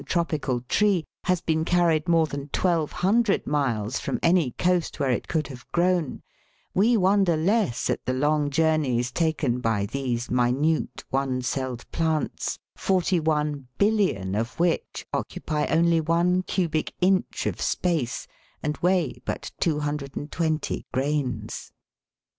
tropical tree, has been carried more than 1,200 miles from any coast where it could have grown, we wonder less at the long journeys taken by these minute one celled plants, 41,000,000,000 of which occupy only one cubic inch of space, and weigh but 220 grains.